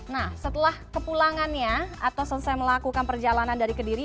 nah setelah kepulangannya atau selesai melakukan perjalanan dari kediri